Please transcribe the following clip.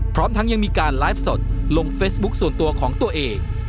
พร้อมทั้งยังมีการไลฟ์สดลงเฟซบุ๊คส่วนตัวของตัวเอง